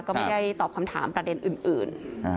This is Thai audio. ก็ไม่ได้ตอบคำถามประเด็นอื่น